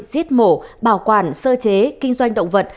giết mổ bảo quản sơ chế kinh doanh động vật